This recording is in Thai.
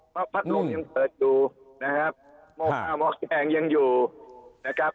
พระพระนกยังเผิดดูนะครับมกษามกแจงยังอยู่นะครับ